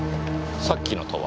さっきのとは？